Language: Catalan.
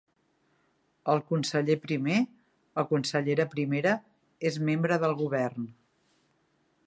El conseller primer o consellera primera és membre del Govern.